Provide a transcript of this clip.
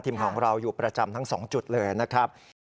ของเราอยู่ประจำทั้ง๒จุดเลยนะครับ